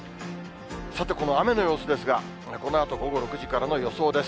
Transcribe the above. さて、この雨の様子ですが、このあと午後６時からの予想です。